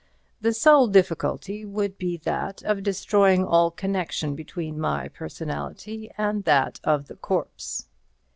The sole difficulty would be that of destroying all connection between my personality and that of the corpse.